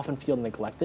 kegagalan dari guru